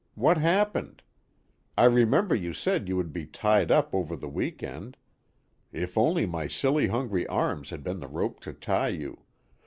What happened? I remember you said you would be tied up over the week end if only my silly hungry arms had been the rope to tie you!